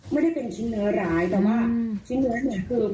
ไม่ได้เป็นชิ้นเนื้อร้ายแต่ว่าชิ้นเนื้อเนี่ยคือ